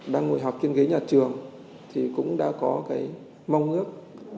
đang ngồi học trên ghế nhà trường thì cũng đã có cái mong ước